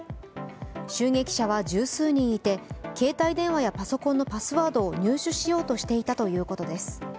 襲撃者は十数人いて、携帯電話やパソコンのパスワードを入手しようとしていたということです。